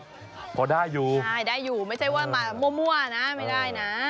พอได้อยู่ใช่ได้อยู่ไม่ใช่ว่ามามั่วนะไม่ได้นะ